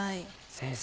先生